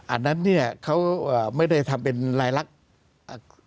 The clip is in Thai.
อันนั้นเขาไม่ได้ทำเป็นลายลักษณ์